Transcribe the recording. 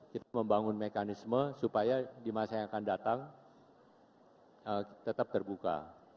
kita membangun mekanisme supaya di masa yang akan datang tetap terbuka